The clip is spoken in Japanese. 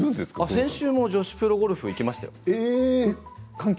先週も女子プロゴルフ、行きましたよ。